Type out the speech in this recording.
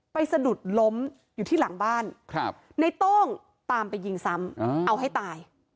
สะดุดล้มอยู่ที่หลังบ้านในโต้งตามไปยิงซ้ำเอาให้ตาย